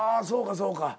そうかそうか。